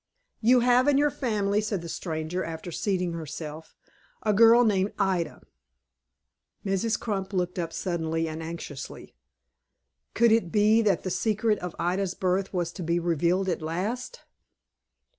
"You have in your family," said the stranger, after seating herself, "a girl named Ida." Mrs. Crump looked up suddenly and anxiously. Could it be that the secret of Ida's birth was to be revealed at last!